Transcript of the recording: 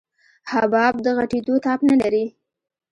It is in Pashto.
حباب د غټېدو تاب نه لري.